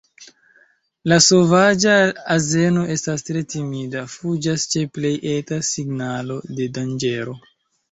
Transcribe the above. La sovaĝa azeno estas tre timida, fuĝas ĉe plej eta signalo de danĝero.